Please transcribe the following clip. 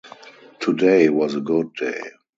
Today was a good day.